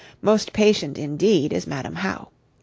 Most patient indeed is Madam How.